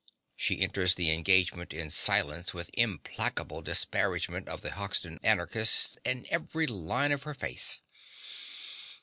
(She enters the engagement in silence, with implacable disparagement of the Hoxton Anarchists in every line of her face.